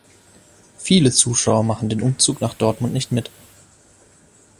Viele Zuschauer machen den Umzug nach Dortmund nicht mit.